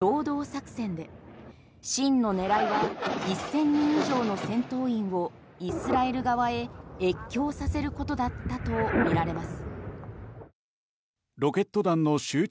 しかし、この攻撃はイスラエルの目をそらす陽動作戦で真の狙いは１０００人以上の戦闘員をイスラエル側へ越境させることだったとみられます。